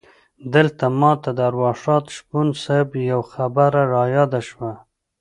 دلته ماته د ارواښاد شپون صیب یوه خبره رایاده شوه.